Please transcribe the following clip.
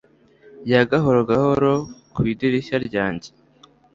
ya gahoro gahoro ku idirishya ryanjye